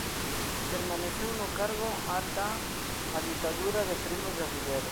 Permaneceu no cargo ata a ditadura de Primo de Rivera.